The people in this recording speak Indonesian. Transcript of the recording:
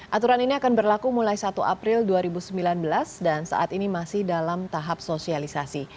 aturan ini akan berlaku mulai satu april dua ribu sembilan belas dan saat ini masih dalam tahap sosialisasi